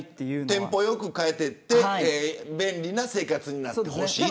テンポ良く変えていって便利な生活になってほしい。